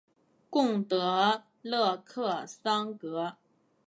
贡德勒克桑格。